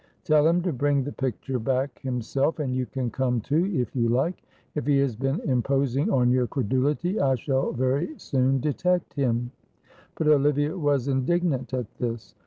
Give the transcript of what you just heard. Tell him to bring the picture back himself, and you can come too if you like. If he has been imposing on your credulity I shall very soon detect him." But Olivia was indignant at this.